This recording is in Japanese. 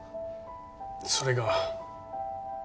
それが